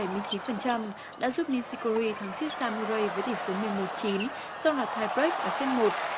nishikori thắng shizuha murray với tỷ số một mươi một chín sau hạt thai break ở set một